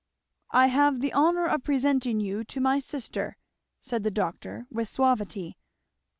"I have the honour of presenting you to my sister," said the doctor with suavity.